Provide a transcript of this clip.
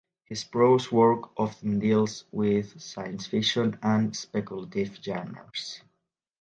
His prose work often deals with science fiction and speculative genres.